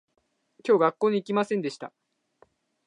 今日学校に行きませんでした